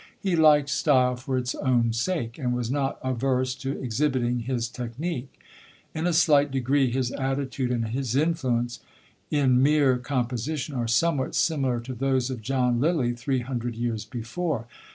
He liked style for its own sake, and was not averse to exhibiting his technique. In a slight degree, his attitude and his influence in mere composition are somewhat similar to those of John Lyly three hundred years before.